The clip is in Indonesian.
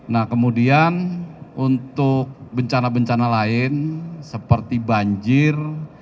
nah kemudian untuk bencana bencana lain seperti banjir